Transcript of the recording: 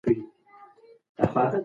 کړکۍ باید بنده شي.